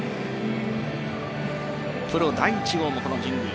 プロ第１号もこの神宮。